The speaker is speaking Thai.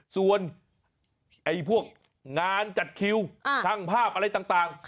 ส่วนพวกงานจัดคิวช่างภาพอะไรต่าง